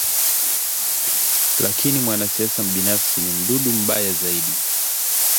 Lakini mwanasiasa mbinafsi ni mdudu mbaya zaidi